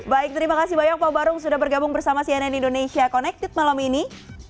baik terima kasih banyak pak barung sudah bergabung bersama cnn indonesia connected malam ini